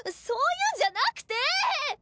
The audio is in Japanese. そういうんじゃなくて！